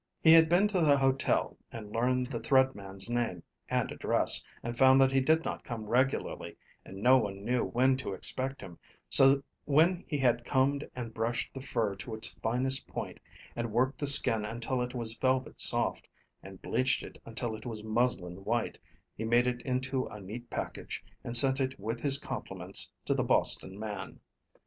He had been to the hotel, and learned the Thread Man's name and address, and found that he did not come regularly, and no one knew when to expect him; so when he had combed and brushed the fur to its finest point, and worked the skin until it was velvet soft, and bleached it until it was muslin white, he made it into a neat package and sent it with his compliments to the Boston man.